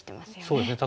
そうですね。